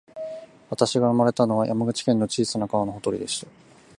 私が生まれたのは、山口県の小さな川のほとりでした